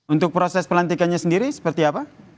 untuk proses pelantikannya sendiri seperti apa